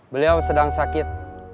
beliau sedang sakit